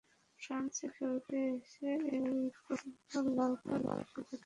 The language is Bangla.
ফ্রান্সে খেলতে এসে এই প্রথমবার লাল কার্ড নিষেধাজ্ঞায় পড়লেন ব্রাজিল অধিনায়ক।